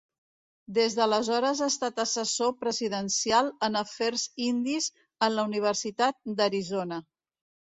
Des d'aleshores ha estat assessor presidencial en afers indis en la Universitat d'Arizona.